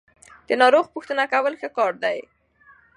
د ناروغ پوښتنه کول ښه کار دی.